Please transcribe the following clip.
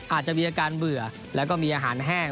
อาจจะมีอาการเบื่อแล้วก็มีอาหารแห้ง